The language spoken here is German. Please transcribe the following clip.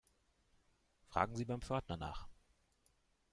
Fragen Sie beim Pförtner nach.